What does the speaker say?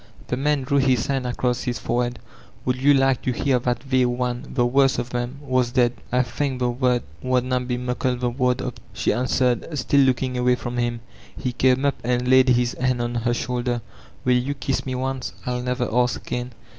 The man drew his hand across his forehead *^ould you like to hear that they,— one, — the worst of them, was dead?" ''I thenk the worl' wadna be muckle the waur o't," she answered, still looking away from him. He came up and laid his hand on her shoulder. ''Will ]rou kiss me once? I'll never ask again."